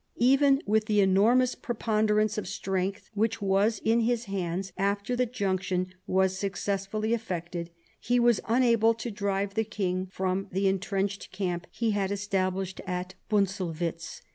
Even with the enormous preponderance of strength which was in his hands after the junction was successfully effected, he was unable to drive the king from the entrenched camp he had established at Bunzelwitz.